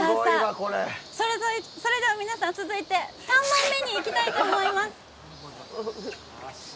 それでは皆さん、続いて３問目に行きたいと思います。